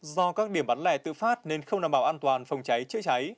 do các điểm bán lẻ tự phát nên không đảm bảo an toàn phòng cháy chữa cháy